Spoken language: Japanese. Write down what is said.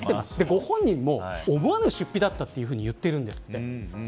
ご本人も思わぬ出費だったと言っているんです。